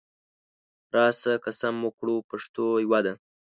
راسه قسم وکړو پښتو یوه ده